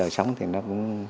sống thì nó cũng